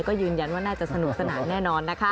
ก็ยืนยันว่าน่าจะสนุกสนานแน่นอนนะคะ